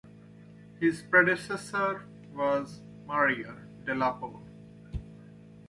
His predecessor was Maria Delapoer.